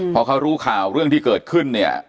พอเขารู้ข่าวเรื่องที่เกิดขึ้นเนี่ย